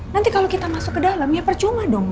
nanti kalau kita masuk ke dalam ya percuma dong